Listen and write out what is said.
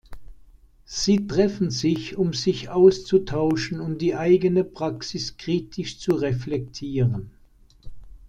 Sie treffen sich, um sich auszutauschen und die eigene Praxis kritisch zu reflektieren.